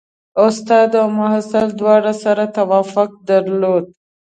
استاد او محصل دواړو سره توافق درلود.